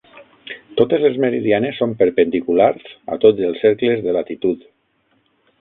Totes les meridianes són perpendiculars a tots els cercles de latitud.